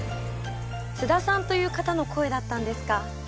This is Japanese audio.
津田さんという方の声だったんですか。